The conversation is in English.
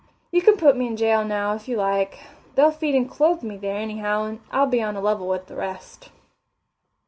You can put me in jail now, if you like they'll feed and clothe me there, anyhow, and I'll be on a level with the rest."